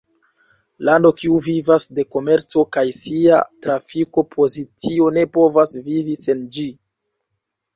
Lando kiu vivas de komerco kaj sia trafiko pozicio ne povas vivi sen ĝi.